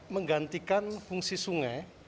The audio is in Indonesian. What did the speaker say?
menggantikan fungsi sungai